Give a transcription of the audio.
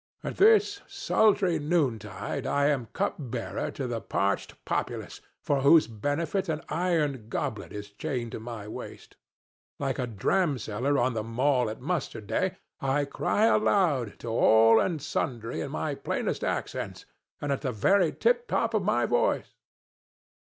At this sultry noontide I am cupbearer to the parched populace, for whose benefit an iron goblet is chained to my waist. Like a dramseller on the mall at muster day, I cry aloud to all and sundry in my plainest accents and at the very tiptop of my voice.